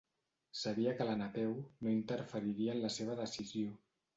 Sabia que la Napeu no interferiria en la seva decisió.